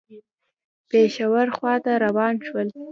پېښور خواته روان شول.